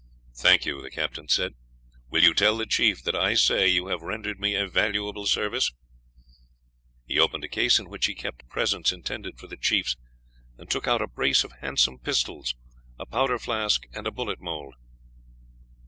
"Thank you," the captain said. "Will you tell the chief that I say you have rendered me a valuable service?" He opened a case in which he kept presents intended for the chiefs, and took out a brace of handsome pistols, a powder flask, and a bullet mold.